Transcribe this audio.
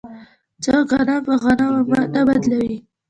څوک غنم په غنمو نه بدلوي.